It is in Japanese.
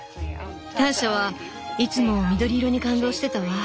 ターシャはいつも緑色に感動してたわ。